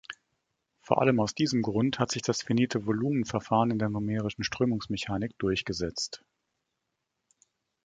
Vor allem aus diesem Grund hat sich das Finite-Volumen-Verfahren in der numerischen Strömungsmechanik durchgesetzt.